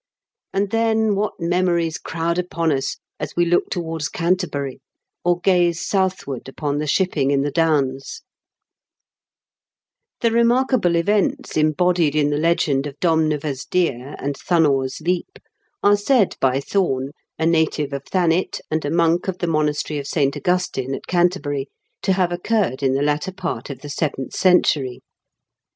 And then what memories crowd upon us as we look towards Canterbury, or gaze southward upon the shipping in the Downs 1 The remarkable events embodied in the legend of Domneva's deer and Thunnor's Leap are said by Thorn, a native of Thanet and a monk of the monastery of St. Augustine, at Canterbury, to have occurred in the latter part of the seventh century.